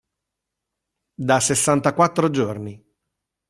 Da sessantaquattro giorni.